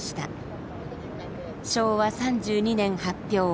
昭和３２年発表